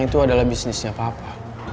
itu adalah bisnisnya papa